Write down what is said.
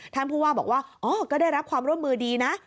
ท่านผู้ว่าบอกว่าอ๋อก็ได้รับความร่วมมือดีนะ